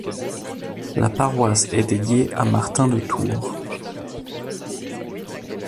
La paroisse est dédiée à Martin de Tours.